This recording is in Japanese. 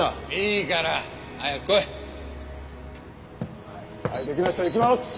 いきます！